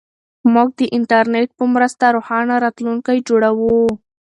موږ د انټرنیټ په مرسته روښانه راتلونکی جوړوو.